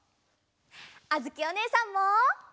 あづきおねえさんも。